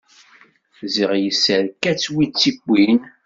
Ziɣ yesserka-tt win tt-iwwin.